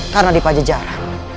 karena di pajejaran